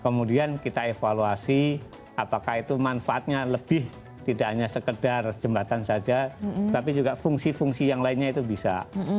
kemudian kita evaluasi apakah itu manfaatnya lebih tidak hanya sekedar jembatan saja tapi juga fungsi fungsi yang lainnya itu bisa